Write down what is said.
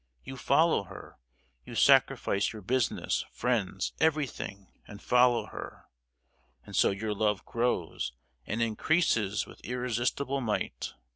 You follow her—you sacrifice your business, friends, everything, and follow her. And so your love grows and increases with irresistible might.